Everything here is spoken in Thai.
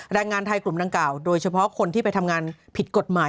แรงงานไทยกลุ่มดังกล่าวโดยเฉพาะคนที่ไปทำงานผิดกฎหมาย